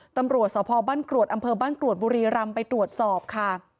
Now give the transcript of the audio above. ตำรวจสพบ้านกรวดอำเภอบ้านกรวดบุรีรำไปตรวจสอบค่ะ